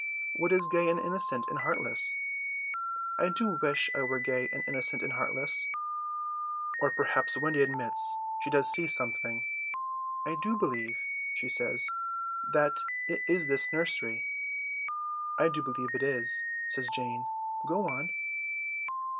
"What is gay and innocent and heartless? I do wish I were gay and innocent and heartless." Or perhaps Wendy admits she does see something. "I do believe," she says, "that it is this nursery." "I do believe it is," says Jane. "Go on."